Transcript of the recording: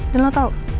dan lo tau